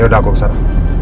yaudah aku kesana